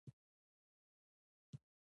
دنده د انسان راتلوونکی نه شي تضمین کولای.